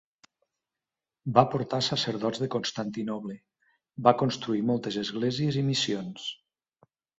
Va portar sacerdots de Constantinoble, va construir moltes esglésies i missions.